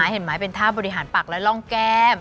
เห็นไหมเป็นท่าบริหารปักและร่องแก้ม